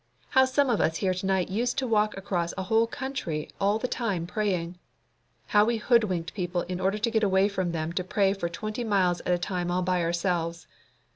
How some of us here to night used to walk across a whole country all the time praying! How we hoodwinked people in order to get away from them to pray for twenty miles at a time all by ourselves!